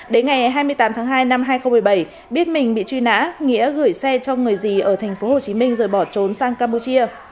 đến ngày hai mươi tám tháng hai năm hai nghìn một mươi bảy biết mình bị truy nã nghĩa gửi xe cho người gì ở thành phố hồ chí minh rồi bỏ trốn sang campuchia